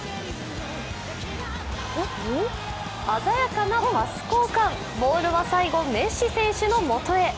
鮮やかなパス交換、ボールは最後、メッシ選手のもとへ。